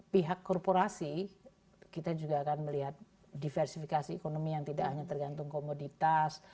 pihak korporasi kita juga akan melihat diversifikasi ekonomi yang tidak hanya tergantung komoditas